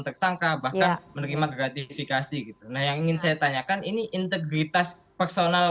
tersangka bahkan menerima gratifikasi gitu nah yang ingin saya tanyakan ini integritas personal